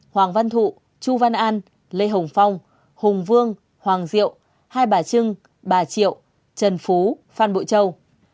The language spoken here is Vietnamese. hoàng văn thụ chu văn an lê hồng phong hùng vương hoàng diệu hai bà trưng bà triệu trần phú phan bội châu